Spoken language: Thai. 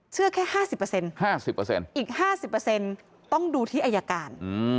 เชื่อแค่๕๐อีก๕๐ต้องดูที่อายการ